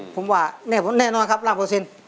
ผมว่าแน่นอนครับร่างเปอร์เซ็นต์